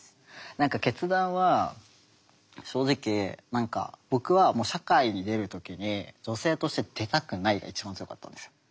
何か決断は正直何か僕はもう社会に出る時に女性として出たくないが一番強かったんですよ。